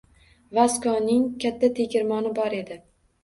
Vaskoning katta tegirmoni bor edi.